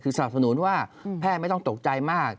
คือสนับสนุนว่าแพทย์ไม่ต้องตกใจมาก